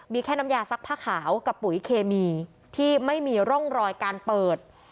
มีแค่น้ำยาซักผ้าขาวกับปุ๋ยเคมีที่ไม่มีร่องรอยการเปิด